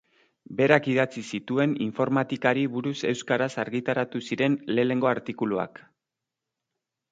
Berak idatzi zituen informatikari buruz euskaraz argitaratu ziren lehenengo artikuluak.